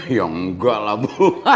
ya enggak lah bu